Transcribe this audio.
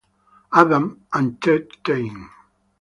Addams, and Ted Taine.